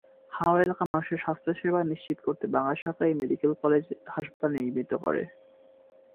হাওর এলাকার মানুষের স্বাস্থ্যসেবা নিশ্চিত করতে বাংলাদেশ সরকার এই মেডিকেল কলেজ হাসপাতাল নির্মিত করে।